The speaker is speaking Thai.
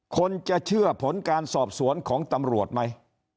คนจะเชื่อผลการสอบสวนของตำรวจไหม